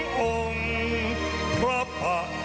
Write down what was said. ก็ขอเป็นทีละสเตปไปแล้วกันค่ะ